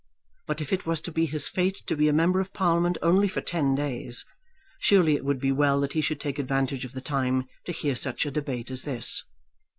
But if it was to be his fate to be a member of Parliament only for ten days, surely it would be well that he should take advantage of the time to hear such a debate as this.